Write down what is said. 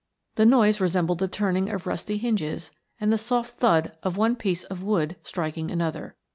The noise resembled the turning of rusty hinges and the soft thud of one piece of wood striking another.